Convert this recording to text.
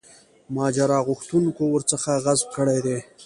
ماجرا غوښتونکو ورڅخه غصب کړی دی.